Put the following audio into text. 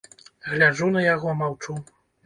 Гляджу на яго, маўчу.